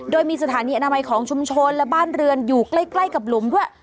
โดยมีสถานีอนามัยของชุมชนและบ้านเรือนอยู่ใกล้กับหลุมด้วย